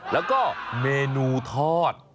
แล้วก็เมนูทอด